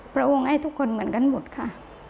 พระองค์ให้ทุกคนเหมือนกันหมดค่ะ